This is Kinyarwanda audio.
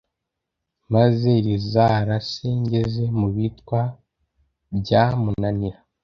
maze rizarase ngeze mu bitwa bya munanira